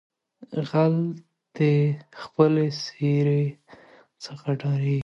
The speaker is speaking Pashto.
ـ غل دې خپلې سېرې څخه ډاريږي.